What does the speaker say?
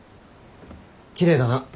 奇麗だな。